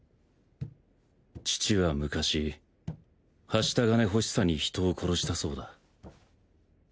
父は昔はした金欲しさに人を殺したそうだ